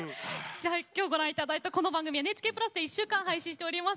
今日ご覧いただいた番組は「ＮＨＫプラス」で１週間配信いたします。